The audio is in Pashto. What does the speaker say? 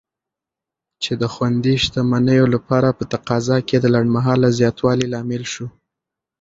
چې د خوندي شتمنیو لپاره په تقاضا کې د لنډمهاله زیاتوالي لامل شو.